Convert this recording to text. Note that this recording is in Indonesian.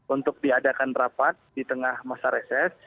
untuk diadakan rapat di tengah masa reses